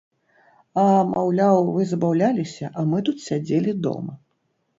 А, маўляў, вы забаўляліся, а мы тут сядзелі дома.